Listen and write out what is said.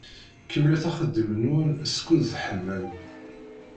Kemmlet axeddim-nwen skud teḥmam.